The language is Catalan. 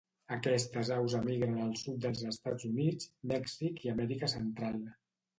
Aquestes aus emigren al sud dels Estats Units, Mèxic i Amèrica Central.